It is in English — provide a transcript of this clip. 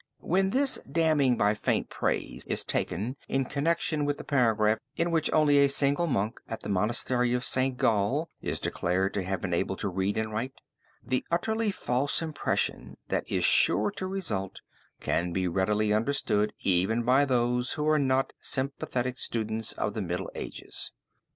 When this damning by faint praise is taken in connection with the paragraph in which only a single monk at the Monastery of St. Gall is declared to have been able to read and write, the utterly false impression that is sure to result, can be readily understood even by those who are not sympathetic students of the Middle Ages.